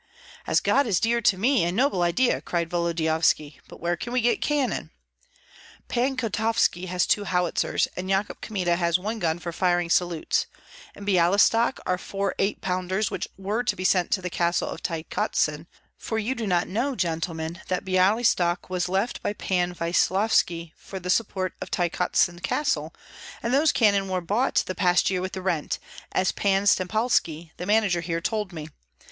"As God is dear to me, a noble idea!" cried Volodyovski; "but where can we get cannon?" "Pan Kotovski has two howitzers, and Yakub Kmita has one gun for firing salutes; in Byalystok are four eight pounders which were to be sent to the castle of Tykotsin; for you do not know, gentlemen, that Byalystok was left by Pan Vyesyolovski for the support of Tykotsin Castle, and those cannon were bought the past year with the rent, as Pan Stempalski, the manager here, told me.